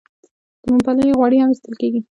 د ممپلیو غوړي هم ایستل کیږي.